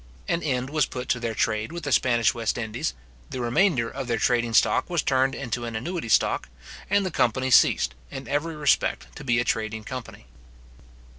An end was put to their trade with the Spanish West Indies; the remainder of their trading stock was turned into an annuity stock; and the company ceased, in every respect, to be a trading company.